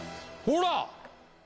ほら！